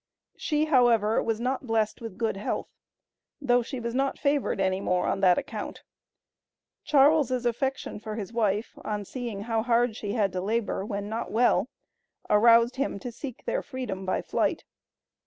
She, however, was not blessed with good health, though she was not favored any more on that account. Charles' affection for his wife, on seeing how hard she had to labor when not well, aroused him to seek their freedom by flight.